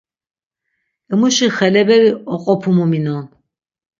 Emuşi xeleberi oqopumu minon.